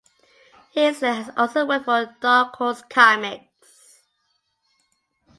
Heisler has also worked for Dark Horse Comics.